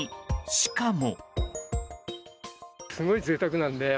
しかも。